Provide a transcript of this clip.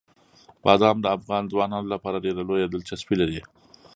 بادام د افغان ځوانانو لپاره ډېره لویه دلچسپي لري.